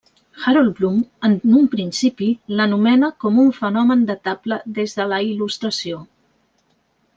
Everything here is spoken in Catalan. Harold Bloom, en un principi, l'anomena com un fenomen datable des de la Il·lustració.